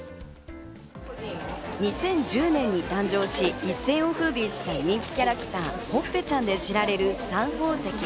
２０１０年に誕生し、一世を風靡した人気キャラクター・ほっぺちゃんで知られるサン宝石。